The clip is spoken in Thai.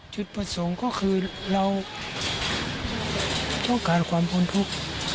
จุดประสงค์ก็คือเราต้องการความพ้นทุกข์